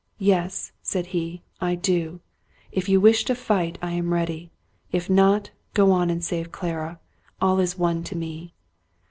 " Yes," said he, " I do. If you wish to fight, I am ready. If not, go on and save Clara. All is one to me."